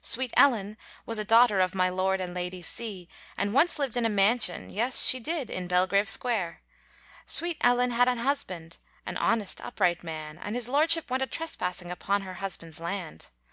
Sweet Ellen was a daughter Of my Lord and Lady C And once lived in a mansion, Yes she did in Belgrave Square, Sweet Ellen had an husbund, An honest upright man, And his lordship went a trespassing Upon her husband's land.